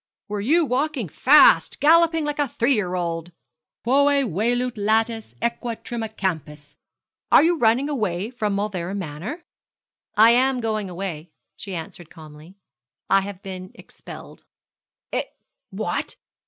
'Were you walking fast! Galloping like a three year old quæ velut latis equa trima campis,' quoted Brian. 'Are you running away from Mauleverer Manor?' 'I am going away,' she answered calmly. 'I have been expelled.' 'Ex what?'